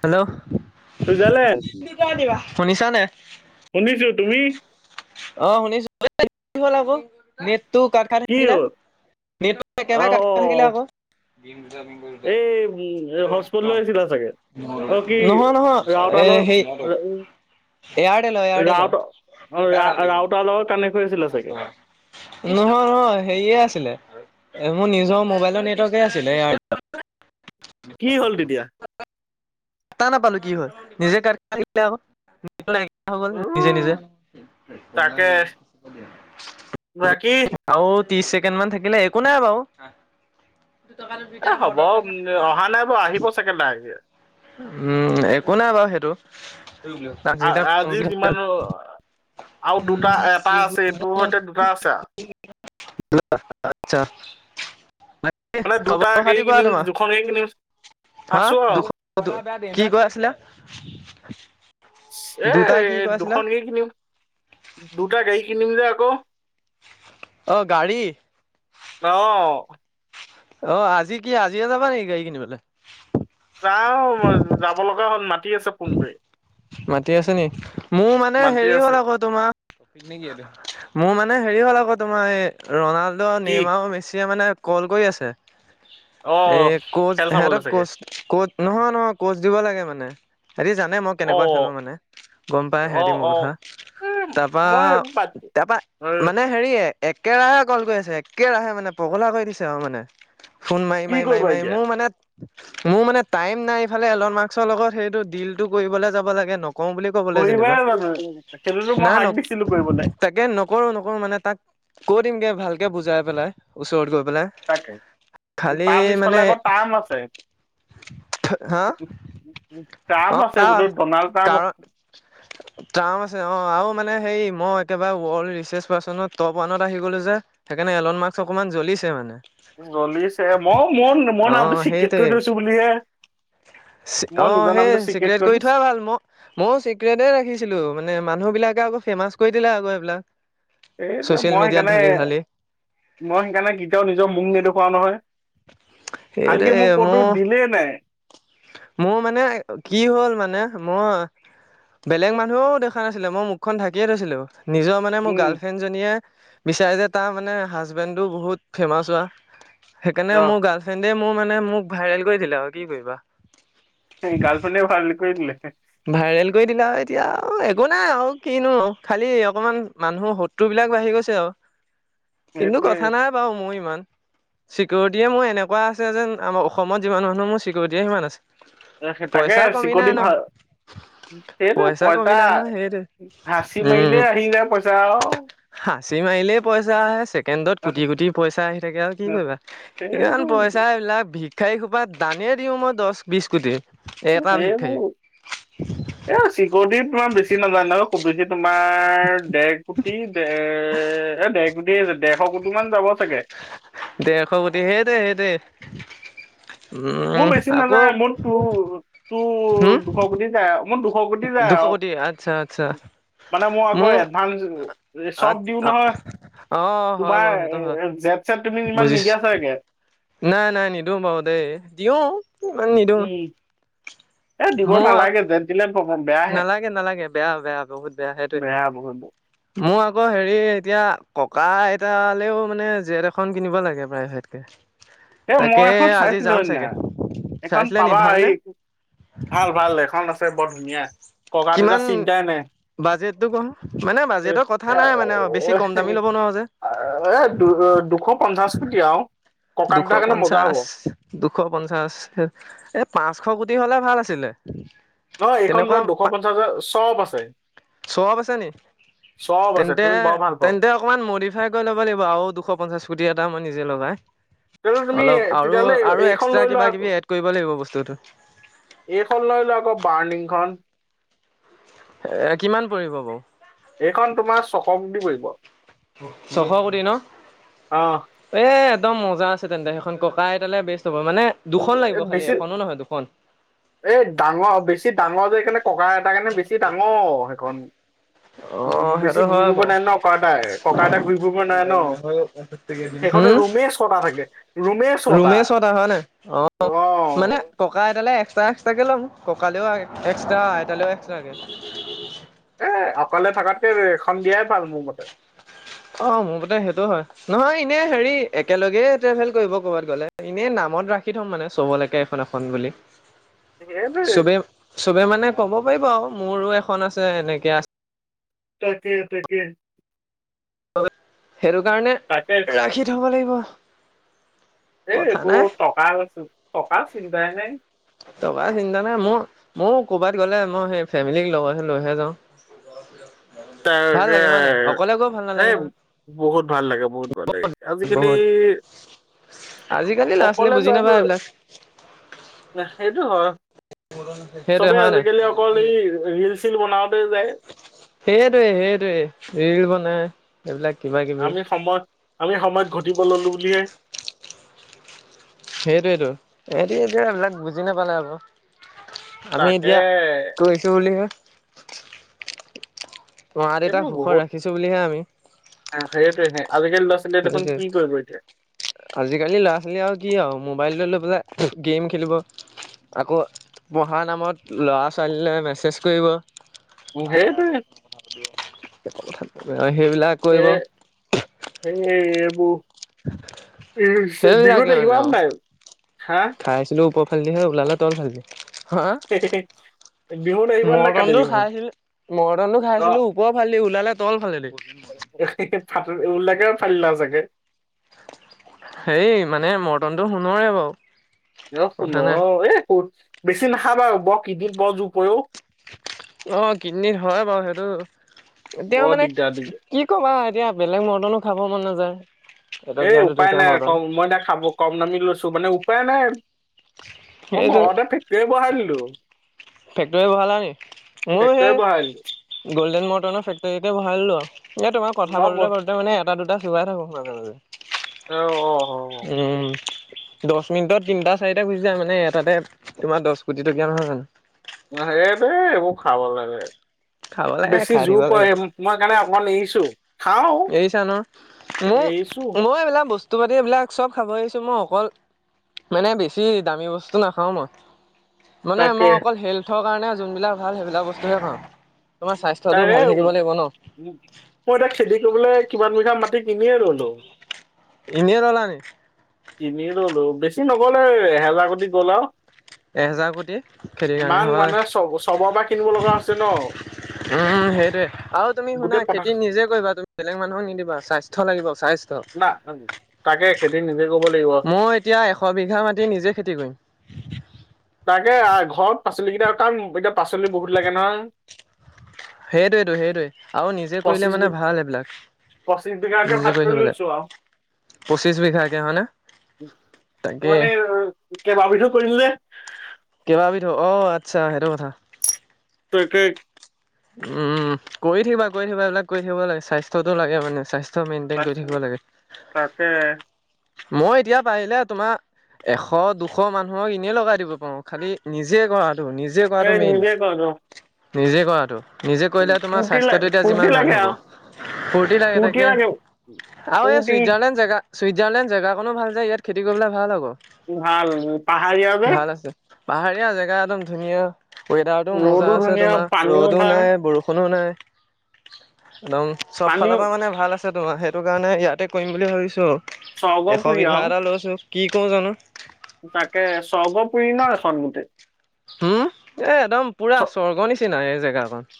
Hello Switzerland দিবা শুনিছা নে শুনিছো তুমি অ শুনিছো হল আকৌ নেট কাই কি থাকিলা হ'ল নেট কে কাই আহ অ থাকিলে আকৌ দিম এই উম হস্পট লৈ আছিলা চাগে অ কি নহয় নহয় এ ৰাওতাল সেই এয়াৰটেলৰ এয়াৰটেলৰ ৰাউত অ ৰা ৰাউত আল নহয় নহয় সেৰিয়ে আছিলে এ মোৰ নিজৰ মোবাইলৰ নেটৱৰ্কে আছিলে ইয়াৰ কি হল তেতিয়া কটা নাপালো কি হয় নিজে কাট খাই থাকিলে ক গল নিজে উম নিজে তাকে বাকি আৰু ত্ৰিশ ছেকেণ্ড মান থাকিলে একো নাই বাৰু এ হ'ব উ অহা নাই ব আহিব চাগে লাহেকে উম একো নাই বাৰু সেইটো অ আজি যিমান আৰু দুটা এটা আছে এইটোৰ সৈতে দুটা আছে আৰু আচছা মানে দুটা খবৰ গাড়ী খাতি কোৱা কিনিম তোমাৰ দুখন গাড়ী কিনিম হা আছো আৰু দুখ বয়া কি কৈ আছিলা এ দুটা কি কৈ আছিলা দুখন গে কিনিম দুটা গাড়ী কিনিম যে আকৌ অ গাড়ী অহ অ আজি কি আজিয়ে যাবা নেকি গাড়ী কিনিবলে যা যাব লগা হ'ল মাতি আছে ফোন কৰি মাতি আছ নি মোৰ মানে মাতি হেৰি আছে হ'ল আকৌ তোমাৰ পিকনিক মোৰ মানে হেৰি হ'ল আকৌ তোমাৰ এই ৰণাল্ডো কি নিমাও মিচিয়ে মানে কল কৰি আছে অ এ কচ খেল হেৰ চাবলৈ চাগে কচ কচ নহয় নহয় কোচ দিব লাগে মানে হেৰি জানে মই অ কেনেকুৱা খেলো মানে গম পাই অ সিহঁতি মোৰ অ কথা এ তাৰপা মই সেইবোৰ বাদ দি- তাৰপা অ, মানে হেৰিয়ে একেৰাহে কল কৰি আছে একেৰাহে মানে পগলা কৰি দিছে আৰু মানে ফোন মাৰি কি মাৰি মাৰি কৰিবা মাৰি এতিয়া মোৰ মানে মোৰ মানে টাইম নাই ইফালে এলন মাক্সৰ লগত সেইটো দিল টো কৰিবলে যাব লাগে কওঁ বুলি ক'বলৈ কৰিবাই যেনিবা জানো সেইটোতো মই না হাক দিছিলো ন কৰিবলৈ তাকে নকৰো নকৰো মানে তাক কৈ দিমগে ভালকে বুজাই পেলাই ওচৰত গৈ পেলাই তাকে খালি তাৰ মানে পিছফালে আকৌ টাম আছে হা [unintelligible] অ টাম্প আছে তাৰ বোলো ডনাল্ড ট্ৰাম্প কাৰণ আছে অ টাৰ্ম আৰু মানে হে মই একেবাৰে ৱৰ্ল্ড ৰিছেছ পাৰ্চনত টপ ওৱানত আহি গলো যে সেইকাৰণে ইলন মাক্ক অকমান জ্বলিছে মানে জ্বলিছে মই মোৰ অ মই নামটো সচিক্ৰেট সেইটোৱে কৰি থৈছো বুলিহে মই অ নিজৰ সেই নামটো চিক্ৰেট ছিক্ৰেত কৰি থৈছো থোৱাই ভাল ম মই চিক্ৰটেই ৰাখিছিলো মানে মানুহ বিলাকে আকৌ ফেমাচ কৰি দিলে আকৌ সেইবিলাক এইটো মই সেইকাৰণে মই সেইকাৰণে কেতিয়াও নিজৰ মুখ নেদুখুৱাও নহয় আনকি সেইটোৱে মোক ক'তো মোৰ দিলেই নাই মোৰ মানে কি হ'ল মানে মই বেলেগ মানুহও দেখা নাছিলে মই মুখখন ঢাকিয়ে থৈছিলো নিজৰ মানে মোৰ উম গাৰ্লফ্ৰেণ্ডজনীয়ে বিচাৰে যে তাৰ মানে হাজবেণ্ডো বহুত ফেমাচ হোৱা সেইকাৰণে অ মোৰ গাৰ্লফ্ৰেণ্ড মোৰ মানে মোক ভাইৰেল কৰি দিলে আৰু কি কৰিবা সেই গালফ্ৰেন্দে ভাইৰেল কৰি দিলে। ভাইৰেল কৰি দিলা এতিয়া একো নাই আৰু কিনো খালি অকমান মানুহৰ শত্ৰু বুলি। বিলাক বাঢ়ি গৈছে আৰু কিন্তু সেইটোৱে কথা নাই বাৰু মোৰ ইমান। চিকিউৰিটিয়ে মোৰ এনেকুৱা আছে যেন আমাৰ অসমত যিমান মানুহ মোৰ চিকিউৰিটিয়ে সিমান আছে। তাকে পইচা কমি চিকণ নাই ন ভাল। সেইটো কমি পইচা নাই নহয় সেইটোৱে হাঁচি মাৰিলে উম আহি যায় পইচা। সাঁচি মাৰিলেই পইচা আহে ছেকেণ্ডত আৰু কুটি কুটি পইচা আহি থাকে আৰু কি কৰিবা ইমান সেইবোৰ পইচা। পছা এইবিলাক ভিক্ষাৰী খোপাত দানিয়ে দিও মই দহ বিশ কোটি। এটা ভিক্ষাৰীক এইবোৰ এই চিকিৰিটি তোাৰ বেছি নাজায় নয় খুব বেছি তোমাৰ। দেৰ কোটি দে এ ডেৰ কোটি ডেৰশ কোটি মান যাব। চাগে দেৰশ কোটি সেই দে সেই দে। উম আকৌ। তটো হম দুশ কোটি যায়। মোৰ দুশ কোটি যায় দুশ আৰু কোটি আচ্ছা আচ্ছা মানে মই আকৌ মোৰ এডভাঞ্চ। চব দিও নহয় অ হয় তোমাৰ বাৰু সেইটো এ হয় জেট চেট। তুমি ইমান বুজিছো নিদিয়া চাগে নাই নাই নিদিওঁ বাও দেই দিওঁ ইমান নিদো উম এ দিব নালাগে ভেণ্টিলেট নালাগে নালাগে বেয়া বেয়া বহুত বেয়া সেইটোৱে মোৰ আ আকৌ হেৰি এতিয়া ককা আইতালেও মানে জেট এখন কিনিব লাগে প্ৰায় ভটকে। এ মই এখন চাইছিলো সেইদিনা এইখন চাইছিলে নি পাবা হ ভালনে ভাল ভাল এখন আছে বৰ ধুনীয়া। ককা দেতা কিমান চিন্তাই নাই। বাজেটটো ক মানে এ বাজেটৰ কথা নাই মানে বেছি কম দামী ল'ব নোৱাৰো যে। এ দু দুশ পঞ্চাশ কোটি আও দুশ পঞ্চাশ দুশ পঞ্চাশ এই পাঁচশ কোটি হলে ভাল আছিলে। নহ এইখন তেনেকুৱা লোৱা দুশ পঞ্চাশ হাজাৰ চব আছে। চোৱা আছ নি? চব আছে তেন্তে তুমি বৰ ভাল পাওঁ তেন্তে অকমান মডিফাই কৰি ল'ব লাগিব আৰু দুশ পঞ্চাশ কোটি এটা মান। বজ' ভাই। তেতিয়াহ'লে তুমি অলপ আৰু তেতিয়াহ'লে আৰু এইখন লৈ এক্সট্ৰা কিবা লোৱা কিবি এড কৰিব লাগিব বস্তুটো। এইখন লৈলো আকৌ বাৰ্ণিং খন। এ কিমান পৰিব বাৰু। এইখন তোমাৰ চকক দি পৰিব ছশ কোটি ন আহ এ। একদম মজা আছে তেন্তে সেইখন ককা আইতালে বে। এই বেছি দুখন। এই ডাঙৰ বেছি ডাঙৰ যেকাৰনে। ককা এটাৰ কাৰণে বেছি ডাঙৰ সেইখন। অ' বেছি সেইটো ঘূৰি হয় ফুব বাৰু। নাই ন ককা এটাই ককা এটাই ঘূৰি ফুৰিব নাই ন। সেইখনে ৰুমেই ছটা থাকে ৰুম। ৰুমে চতা হয় নে অ মানে টকা এটালৈ এক্সট্ৰা। তাকে ল'ম ককালেও এক্সট্ৰা আইতালেও এক্সট্ৰাকে। এ অকলে থকাতকে এখন দিয়াই ভাল মোৰ মতে। অ মোৰ মতে সেইটো হয় নহয় এনে হেৰি একেলগে ট্ৰেভেল কৰিব কৰ'বাত গ'লে এনে ন। ৰুমত ৰাখি থ'ম মানে চবলৈকে এখন এখন বুলি। সেইটোৱে চবেই চবে মানে ক'ব পাৰিব আৰু মোৰো এখন আছে এনেকে আছে। তাকে তাকে। সেইটো কাৰণে তাকে ৰাখি থ'ব লাগিব। এ কথা নাই। একবোৰ টকা আছ টকা চিন্তাই নাই। টকাৰ চিন্তা নাই মোৰ ময়ৈ কৰ'বাত গ'লে মই সেই ফেমিলিক লগৰ লৈহে যাওঁ। ত ভাল লাগে হয় নাই অকলে গৈ ভাল সেই। নালাগে নহয় বহুত ভাল লাগে বহুত ভাল লাগে আজিকালি। বহুত আজিকালি ল'ৰা ছোৱালী অকলে বুজি যোৱাতো নাপায় এইবিলাক। সেইটো হয়। সেইটোৱে চবে হয় নাই আজিকালি অকল এই ৰিল- চিল বনাওতে যায় সেইটোৱে -সেইটোৱে ৰিল বনাই এইবিলাক কিবা কিবি আমি সময় আমি সময় ঘটিব ললো বুলিহে সেইটোৱেইটো এটো এতিয়া এইবিলাক বুজি নাপালে আকো আমি তাকে এতিয়া কৈছো বুলিহে। মা দেউতাক এইবোৰ সুখত বহুত ৰাখিছোঁ বুলিহে আমি। সেইটোৱে আজিকালি ল'ৰা ছোৱালীয়ে দেখোন সেইটো কি কৰিব এতিয়া আজিকালি ল'ৰা -ছোৱালী আৰু কি আৰু মোবাইলটো লৈ পেলাই গেম খেলিব। আকৌ পঢ়া নামত ল'ৰা ছোৱালীলৈ মেছেজ কৰিব উম, সেইটোৱে সেইবিলাক কৰিব। সেই সেই এইবোৰ সেইবিলাকে বিহুত মানে আহিবা অ নে নাই হা। ভাল্দিহে ওলালে তল ভালি [unintelligible] হু হু হু [unintelligible] মটন টো খাইছিল মটনটো খাইছিলো ওপৰ ফালেদি ওলালে তল ফালেদি। ফ লাকে ফাল ল চাগে [unintelligible] হেই মানে মৰটনটো সোণৰে বাৰু এ শুন কথা নাই এই কত বেছি নাখাবা ব কদনিত ব জুপৰেও [unintelligible] অ কিডনিত হয় বাৰু সেইটো এতিয়া বৰ মানে দিগদাৰ দিগদাৰ কি কবা এতিয়া বেলেগ মডনো খাব মন নাযায় এই এটকীয়া উপায় দুটকীয়া নাই ক মৰ্টন মই এয়া খাব কম নামি লৈছো মানে উপায় নাই [unintelligible] মই সেইটো ঘৰতেটে ফেক্টৰী বহাই দিলো ফেক্টৰী বহালা নি মোৰ ফেক্টৰী বহাই দিলো সেই গ'ল্ডেন মৰ্টনৰ ফেক্টৰীকে ভৰাই ললো আৰু এ তোমাৰ কথা পাতোতে পাটোতে মানে এটা দুটা [unintelligible] বাৰ [unintelligible] থাকক মাজে মাজে অ অ উম দহ মিনিটত তিনটা চাৰিটা গুচি যায় মানে এটাতে তোমাৰ দহ কোটি টকীয়া। অ হবোৰ খাব লাগে খাব লাগে বেছি খাই থাকিব জোৰ লাগে পৰে মই কাৰণে অকণ এৰিছো। খাও এৰিছা ন মোৰ এৰিছো মই এইবিলাক বস্তু। তটোপাতি এইবিলাক চব খাব এৰিছোঁ মই অকল মানে বেছি দামী বস্তু নাখাও মই মানে তাকে মই অকল হেল্থৰ কাৰণে যোনবিলাক ভাল সেইবিলাক বস্তুহে খাও তোমাৰ স্বাস্থ্যটো তাৰে ভাল উম, থাকিব লাগিব ন। উম, মই এতিয়া খেতি কৰিবলৈ কিমান বিঘা মাটি কিনিয়ে ললোঁ এনে ললা নি কিনি ললো বেছি নগলে এহেজাৰ কোটি গ'ল আৰু এহেজাৰ কোটি খেতিৰ কাৰণে ইমান হয় মানে চ চবৰ বা কিনিব লগা হৈছে ন। উম সেইটোয়ে আৰু তুমি শুনা গোটেই পতা খেতি নিজে কৰিবা তুমি বেলেগ মানুহক নিদিবা স্বাস্থ্য লাগিব। স্বাস্থ্য না তাকে খেতি নিজে কব লাগ মই এতিয়া এশ বিঘা মাটি নিজে খেতি কৰিম তাকে ঘৰত পাচলি কেইটা এতিয়া পাচলি বহুত লাগে নহয়। সেইটোয়েটো -সেইটোৱে আৰু নিজে কৰিলে মানে ভাল এইবিলাক পশ্চিচবিঘাকে নিজে ভাগ কৰি থাকিব লাগে লৈছো আও পঁচিছ বিঘাকে হয়নে তাকে মানে কেইবা বিধো কৰিম যে কেইবাবিধো অ আচ্ছা সেইটো কথা তাকে উম কৰি থাকিবা কৰি থাকিবা এইবিলাক কৰি থাকিব লাগে স্বাস্থ্য টো লাগে মানে স্বাস্থ্য চব মেইনটেইন কৰি থাকিব পাচ- লাগে তাকে মই এতিয়া পাৰিলে তোমাৰ এশ দুশ মানুহক এনে লগাই দিব পাৰোঁ খালি নিজে‌ নিজে কৰাটো এই মেইন নিজে কৰো নিজে কৰাটো নিজে কৰিলে তোমাৰ ফূৰ্তি লাগ স্বাস্থ্যটো এতিয়া যিমান ফূৰ্তি ভাল লাগে হ'ব আৰু ফূৰ্তি লাগে তাকে আৰু এ ফূৰ্তি চুইজাৰলেণ্ড জেগা ছুইজাৰলেণ্ড জেগাখনো ভাল যে ইয়াত খেতি কৰিবলে ভাল হব ভাল পাহাৰীয়া যে আছে পাহাৰীয়া জেগা একদম ধুনীয়া ৱেডাৰতটো ৰ'দো মজা আছে ধুনীয়া তোমাৰ ৰ'দ পানীও ৰদো ভাল নাই বৰষুণো নাই একদম চব পানীও ফালৰ পৰা মানে ভাল আছে। তোমাৰ সেইটো কাৰণে ইয়াতে কৰিম বুলি ভাবিছোঁ এশ স্বৰ্গপুৰী বিঘা আৰু এটা লৈছোঁ। কি কওঁ জানোঁ তাকে স্বৰ্গ পুৰি ন চতগুটি উম এ একদম পুৰা স্বৰ্গৰ নিচিনা এই জেগাকন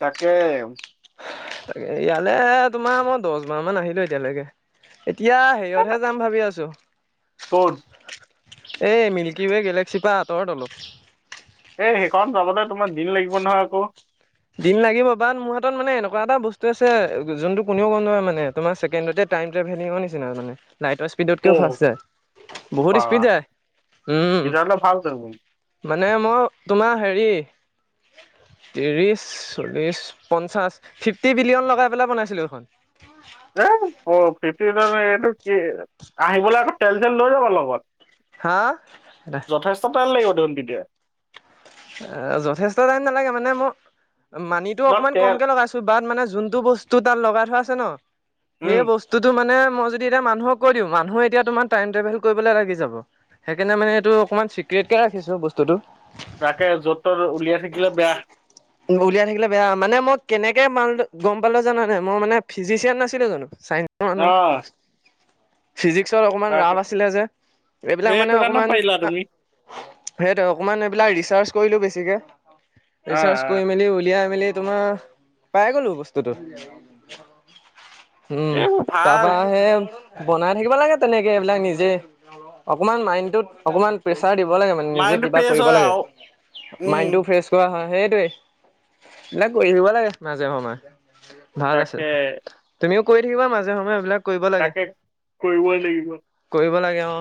তাকেহে তাক ইয়ালে তোমাৰ মই দহ বাৰ মান আহিলো এতিয়ালৈকে এতিয়া হেৰীয়তহে যাম ভাবি আছো। ক'ত এই মিল্কীৱে' গেলেক্সি পৰা আঁতৰত অলপ এ সেইখন যাবতে তোমাৰ দিন লাগিব নহয় আকৌ দিন লাগিব বাট মোৰ হাতত মানে এনেকুৱা এটা বস্তু আছে যোনটো কোনেও গম নাপায় মানে তোমাৰ ছেকেণ্ডতে টাইম ট্ৰভেলিঙৰ নিচিনা মানে লাইটৰ স্পীডত কৈও অ ফাৰ্ছ যায়। বহুত বা স্পিড যাতে উম্ তেতিয়াহ'লে ভাল দেখোন মানে মই তোমাৰ হেৰি ত্ৰিছ চল্লিছ পঞ্চাছ ফিফটি বিলিয়ন লগাই পেলাই বনাইছিলোঁ এইখন এ এইটো কি আহিবলৈ আকৌ তেল চেল লৈ যাব লগত হা যথেষ্ট টাইম লাগিব দেখোন তেতিয়া অ যথেষ্ট টাইম নালাগে মানে মই মানিটো ন অকনমান তেল কমকে লগাইছো বাত মানে যোনটো বস্তু তাত লগাই থোৱা আছে ন সেই উম বস্তুটো মানে মই যদি এতিয়া মানুহক কৈ দি মানুহ এতিয়া তোমাৰ টাইম ট্ৰেভেল কৰিবলৈ লাগি যাব। সেইকাৰণে মানে এইটো অকণমান চিক্ৰেটকে ৰাখিছো বস্তুটো। তাকে য'ত ত'ত উলিয়াই থাকিলে বেয়া উলিয়াই থাকিলে বেয়া মানে মই কেনেকে মাল গম পালোঁ জানানে মই মানে ফিজিচিয়ান নাছিলোঁ জানোঁ। ‌‌ চাইন্সৰ অ মানুহ ফিজিক্সৰ অকণমান তাকে ৰাপ আছিলে যে এইবিলাক মানে সেইটো কাৰণে অকমান পাৰিলা তুমি সেইটোৱে অকমান এইবিলাক ৰিচাৰ্জ কৰিলোঁ বেছিকে অ ৰিচাৰ্জ অ কৰি মেলি ওলিয়াই মেলি তোমাৰ পাই গ'লো বস্তুটো উম এইবোৰ ভাল তাৰপা আহে বনাই থাকিব লাগে তেনেকে এইবিলাক নিজে অকমান মাইণ্ডতত অকমান প্ৰেচ- প্ৰচাৰ দিব লাগে মানে নিজেই মাইণ্ডটো কিবা ফ্ৰেছ কৰিব হয় লাগে, আৰু উম মাইনটো ফ্ৰছ কৰা- অ হয় সেইটোৱে এইবিলাক কৰি থাকিব লাগে মাজে সময়- ভাল আছে তাকে তুমিও কৰি থাকিবা মাজে সময়ে এইবিলাক- কৰিব লাগে তাকে কৰিবই লাগিব কৰিব লাগে- অ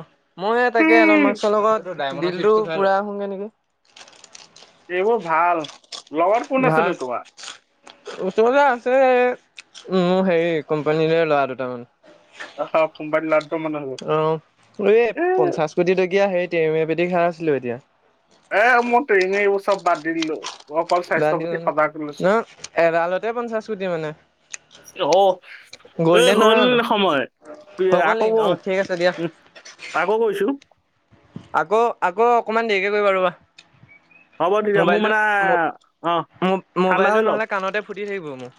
মই তাকে এনন উম। মাকসৰ লগত ডিলটো পুৰা আহোগে নেকি? এইবোৰ ভাল লগত কোন ভাল আছিনো তোমাৰ? ওচৰতে আছে মোৰ হেৰি কোম্পানীৰে ল'ৰা আহ কোম্পানী লাড্ডু মান আছিলো দুটামান অ এই এ পঞ্চাশ কোটি টকীয়া হেৰিত তেৰে মেৰে এপেটি খাই আছিলোঁ এতিয়া এই মই প্ৰিমিয়াৰিবোৰ চব বাদ দি দিলোঁ বদ দিলে ন এডালতে পঞ্চাশ কোটি মানে। অ। এই গ'ল্ডেন নহয় হ'ল জানো সময় হৈ গ'ল আকৌ নি অ কও ঠিক আছে দিয়া তাকো কৈছো। আকৌ আকৌ অকমান দেৰিকে কৰিবা ৰবা [unintelligible] হ'ব তেতিয়া মোৰ মোবাইলটো মানে আহ ঠাণ্ডা মোবাইলটো হৈ লওক নহ'লে কাণতে ফুটি থাকিব মোৰ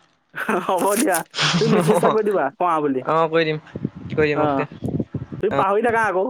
হ'ব দিয়া তুমি মেছেজ এটা কৈ দিবা। শোৱা বুলি অ কৰি দিম কৰি দিম অ। অকে তুমি পাহৰি থাকা আকৌ।